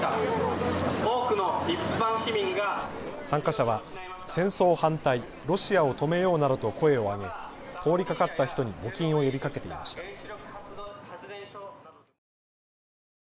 参加者は戦争反対、ロシアを止めようなどと声を上げ通りかかった人に募金を呼びかけていました。